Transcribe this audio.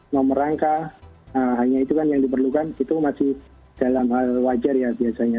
nomor rangka hanya itu kan yang diperlukan itu masih dalam hal wajar ya biasanya